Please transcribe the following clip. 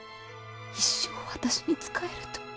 一生私に仕えると。